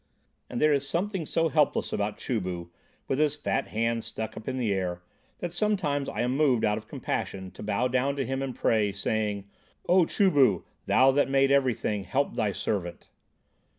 And there is something so helpless about Chu bu with his fat hands stuck up in the air that sometimes I am moved out of compassion to bow down to him and pray, saying, "O Chu bu, thou that made everything, help thy servant."